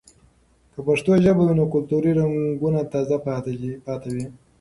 که پښتو ژبه وي، نو کلتوري رنګونه تازه پاتې وي.